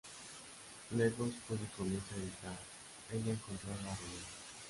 Luego Scully comienza a gritar: ella ha encontrado a Ruby.